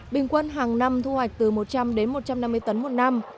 bình quân hàng năm thu hoạch từ một trăm linh đến một trăm năm mươi tấn một năm